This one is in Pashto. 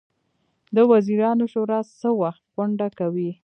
د وزیرانو شورا څه وخت غونډه کوي؟